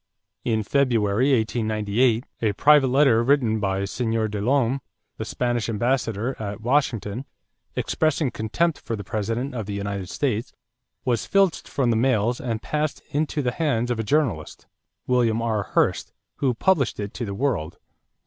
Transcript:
In February, 1898, a private letter written by Señor de Lome, the Spanish ambassador at Washington, expressing contempt for the President of the United States, was filched from the mails and passed into the hands of a journalist, William R. Hearst, who published it to the world.